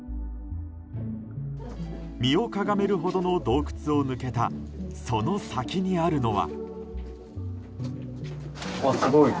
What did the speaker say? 身をかがめるほどの洞窟を抜けたその先にあるのは。